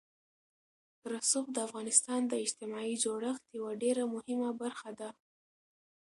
رسوب د افغانستان د اجتماعي جوړښت یوه ډېره مهمه برخه ده.